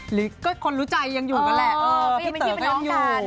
หรือก็คนรู้ใจยังอยู่ก็แหละพี่เต๋อก็ยังอยู่